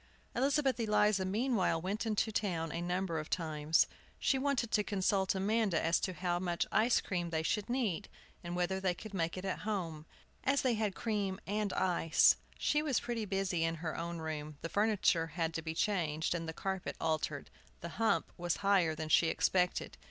Elizabeth Eliza meanwhile went into town a number of times. She wanted to consult Amanda as to how much ice cream they should need, and whether they could make it at home, as they had cream and ice. She was pretty busy in her own room; the furniture had to be changed, and the carpet altered. The "hump" was higher than she expected.